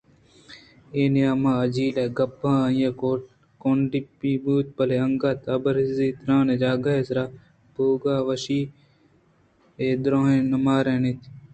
اے نیام ءَ آ جہل ءَ کپت ءُآئی ءِ کونڈٹپ بوت بلئے انگتءَ آ برز تریں جاگہے ءَ سر بوئگ ءِ وشی ءَ اے درداں نہ ماریت اَنت